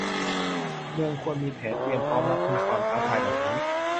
เมืองควรมีแผนเตรียมพร้อมรับมือความท้าทายเหล่านี้